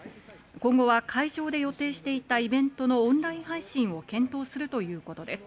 今後は会場で予定していたイベントのオンライン配信を検討するということです。